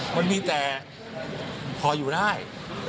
มันมีแต่พออยู่ได้